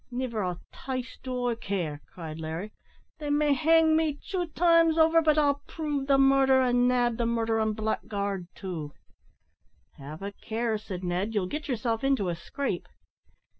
"Niver a taste do I care," cried Larry; "they may hang me tshoo times over, but I'll prove the murder, an' nab the murderin' blackguard too." "Have a care," said Ned; "you'll get yourself into a scrape."